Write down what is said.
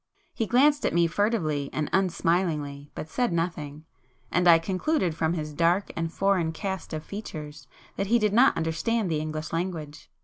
He glanced at me furtively and unsmilingly, but said nothing,—and I concluded from his dark and foreign cast of features, that he did not understand [p 263] the English language.